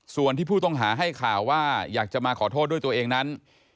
ส่วนที่ผู้ต้องหาให้ข่าวว่าอยากจะมาขอโทษด้วยตัวเองนั้น